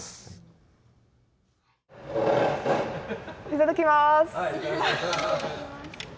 いただきまーす！